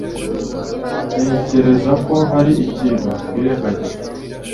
Ntekereza ko hari ikintu twirengagiza.